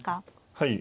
はい。